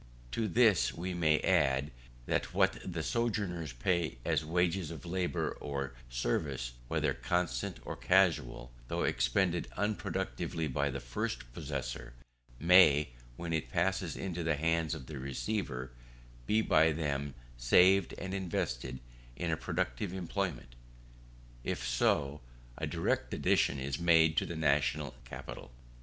To this we may add, that what the sojourners pay as wages of labour or service (whether constant or casual), though expended unproductively by the first possessor, may, when it passes into the hands of the receivers, be by them saved, and invested in a productive employment. If so, a direct addition is made to the national capital.